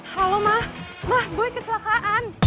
ya udah jadi ini kan